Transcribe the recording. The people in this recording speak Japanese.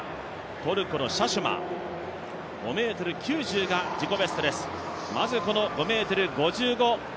トルコのシャシュマ、５ｍ９０が自己ベストです。